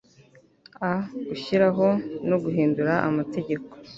a gushyiraho no guhindura amategeko